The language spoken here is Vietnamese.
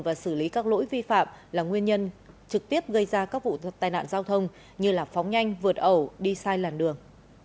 và xử lý các lỗi vi phạm là nguyên nhân trực tiếp gây ra các vụ tai nạn giao thông như phóng nhanh vượt ẩu đi sai làn đường